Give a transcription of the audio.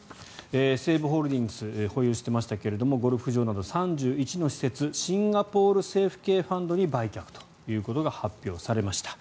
西武ホールディングスが保有してましたけれどもゴルフ場など３１の施設シンガポール政府系ファンドに売却ということが発表されました。